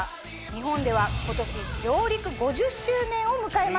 日本では今年上陸５０周年を迎えました。